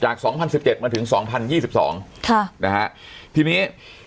สองพันสิบเจ็ดมาถึงสองพันยี่สิบสองค่ะนะฮะทีนี้